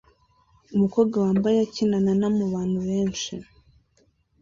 Umukobwa wambaye akina na mubantu benshi